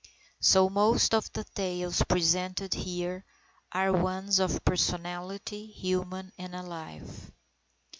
So most of the tales presented here are ones of personality, human and alive.